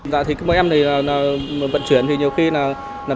dạ thì bọn em thì vận chuyển thì nhiều khi là